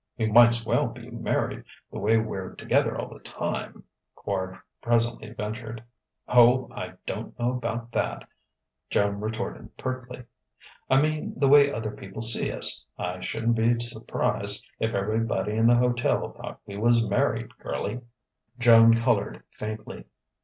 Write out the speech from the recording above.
"We might's well be married, the way we're together all the time," Quard presently ventured. "Oh, I don't know about that," Joan retorted pertly. "I mean, the way other people see us. I shouldn't be surprised if everybody in the hotel thought we was married, girlie." Joan coloured faintly....